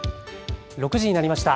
６時になりました。